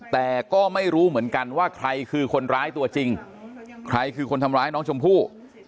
แต่ก็ไม่รู้เหมือนกันว่าใครคือคนร้ายตัวจริงใครคือคนทำร้ายน้องชมพู่